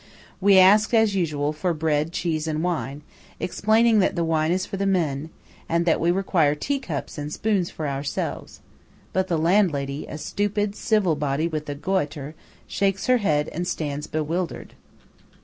We ask, as usual, for bread, cheese, and wine; explaining that the wine is for the men, and that we require teacups and spoons for ourselves; but the landlady, a stupid, civil body with a goître, shakes her head and stands bewildered.